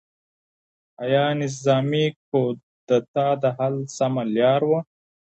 ایا نظامي کودتا د حل سمه لاره وه؟